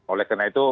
oleh karena itu